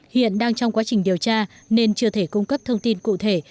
hiện đang trong quá trình điều tra nên chưa thể cung cấp thông tin cụ thể